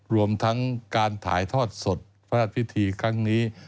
รวมทั้งการถ่ายทอดสดพระราชพิธีครั้งนี้